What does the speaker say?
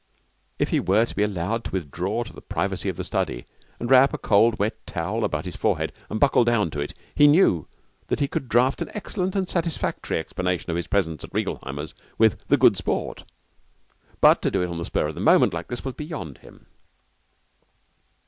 If he were to be allowed to withdraw into the privacy of the study and wrap a cold, wet towel about his forehead and buckle down to it, he knew that he could draft an excellent and satisfactory explanation of his presence at Reigelheimer's with the Good Sport. But to do it on the spur of the moment like this was beyond him.